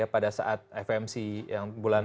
pada saat fmc yang bulan